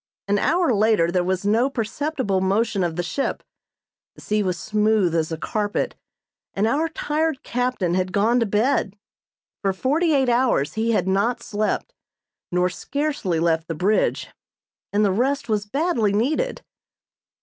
An hour later there was no perceptible motion of the ship, the sea was smooth as a carpet, and our tired captain had gone to bed. For forty eight hours he had not slept, nor scarcely left the bridge, and the rest was badly needed.